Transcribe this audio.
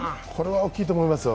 大きいと思いますよ。